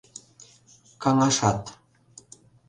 Каҥашат.